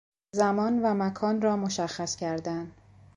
زمان و مکان را مشخص کردن